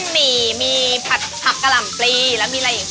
มีผักกะหล่ำปรีแล้วมีอะไรอีกครับ